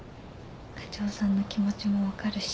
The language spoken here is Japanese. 課長さんの気持ちも分かるし。